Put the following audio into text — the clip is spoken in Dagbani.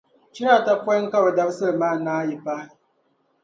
chira ata pɔi ka bɛ dabisili maa naanyi paai.